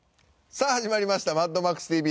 さあ始まりました『マッドマックスＴＶ』。